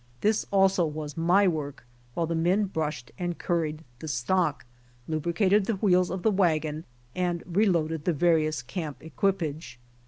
This also was my work while the men brushed and curried the stock, lubricated the wheels of the wagon, and reloaded the various camp equipage.